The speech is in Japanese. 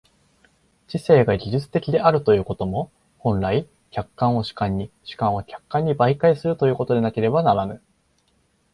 知性が技術的であるということも、本来、客観を主観に、主観を客観に媒介するということでなければならぬ。